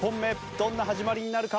どんな始まりになるか？